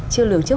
chưa lường trước